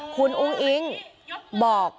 คุณอู๋งอิงบอก